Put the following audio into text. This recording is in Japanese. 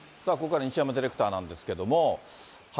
ここからは西山ディレクターなんですけども。